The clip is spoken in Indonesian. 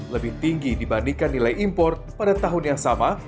lebih tinggi dibandingkan nilai impor pada tahun yang sama